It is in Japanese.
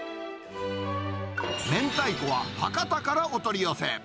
明太子は博多からお取り寄せ。